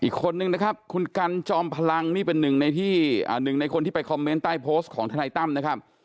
อีกคนนึงนะครับคุณกันจอมพลังนี่เป็นหนึ่งในที่หนึ่งในคนที่ไปคอมเมนต์ใต้โพสต์ของทนายตั้มนะครับ